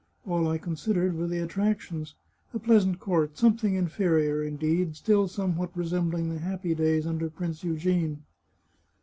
All I considered were the attractions — a pleas ant court, something inferior, indeed, still somewhat re sembling the happy days under Prince Eugene.